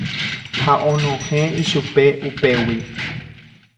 Ha onohẽ ichupe upégui.